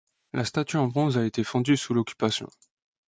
La statue en bronze a été fondue sous l'Occupation.